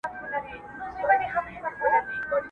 چي منگول يې ټينگ پر سر د بيزو وان سول.!